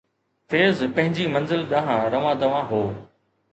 فيض پنهنجي منزل ڏانهن روان دوان هو